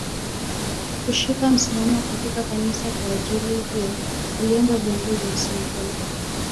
Kushika msimamo katika Kanisa Kwa ajili hiyo aliomba viongozi wa serikali